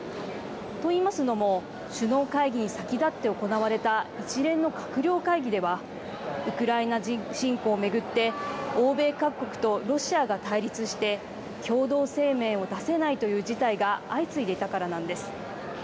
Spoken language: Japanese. といいますのも首脳会議に先立って行われた一連の閣僚会議ではウクライナ侵攻を巡って欧米各国とロシアが対立して共同声明を出せないという事態が相次いでいたからなんです。